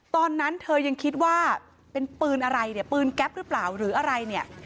ตอนนั้นเธอยังคิดว่าเป็นปืนอะไรเนี่ยปืนแก๊ปหรือเปล่าหรืออะไรเนี่ย